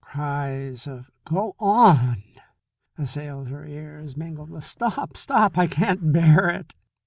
Cries of "Go on," assailed her ears, mingled with, "Stop, stop! I can't bear it!"